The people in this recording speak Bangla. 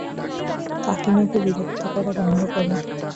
কাকিনোকে বিরক্ত করা বন্ধ করো।